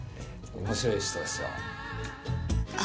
面白い人ですよ。